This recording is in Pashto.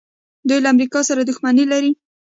دوی له امریکا سره دښمني لري.